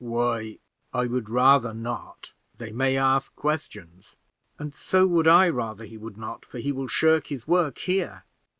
"Why, I would rather not; they may ask questions." "And so would I rather he would not, for he will shirk his work here."